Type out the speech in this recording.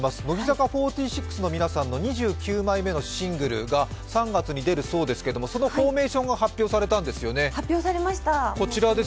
乃木坂４６の皆さんの２９枚目のシングルが３月に出るそうですけど、そのフォーメーションが発表されたんですよね。